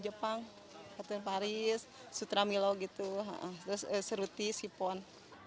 jepang paris sutra milo seruti sipon